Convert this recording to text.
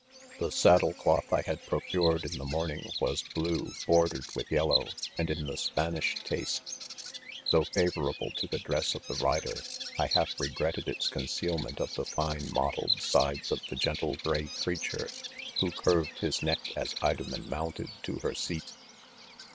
" The saddle cloth Iliad procured in the mor ning was blue bordered with yellow, and in the Spanish taste. Though favorable to tlie dress of the rider, I half regretted its concealment of the fine mottled sides of the « gentle gray creature, who curved his Reck as Mom en mounted to her seat.